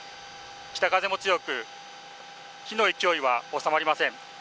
北風も強く火の勢いは収まりません。